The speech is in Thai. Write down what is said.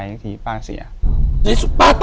อยู่ที่แม่ศรีวิรัยยิลครับ